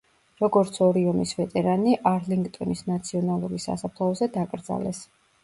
როგორც ორი ომის ვეტერანი, არლინგტონის ნაციონალური სასაფლაოზე დაკრძალეს.